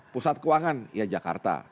pusat keuangan ya jakarta